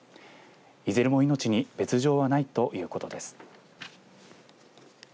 いずれも命に別状はないということです。